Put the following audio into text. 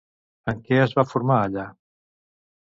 En què es va formar allà?